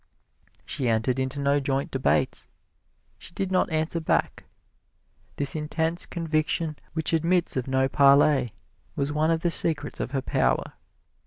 She entered into no joint debates; she did not answer back. This intense conviction which admits of no parley was one of the secrets of her power.